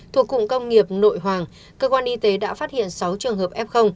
thuộc cụng công nghiệp nội hoàng cơ quan y tế đã phát hiện sáu trường hợp f